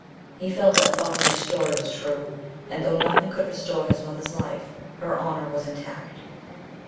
He felt that Falkner's story was true, and though nothing could restore his mother's life, her honour was intact.